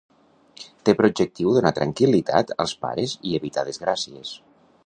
Té per objectiu donar tranquil·litat als pares i evitar desgràcies.